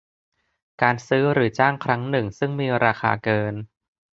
การซื้อหรือจ้างครั้งหนึ่งซึ่งมีราคาเกิน